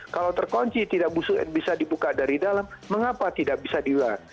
kalau terkunci bisa dibuka dari dalam mengapa tidak bisa di luar